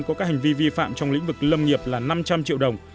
có các hành vi vi phạm trong lĩnh vực lâm nghiệp là năm trăm linh triệu đồng